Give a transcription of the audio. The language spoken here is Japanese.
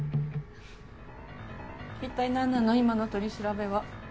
一体なんなの今の取り調べは。